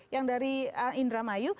yang dari indramayu